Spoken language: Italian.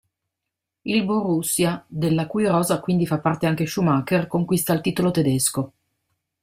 Il Borussia, della cui rosa fa quindi parte anche Schumacher, conquista il titolo tedesco.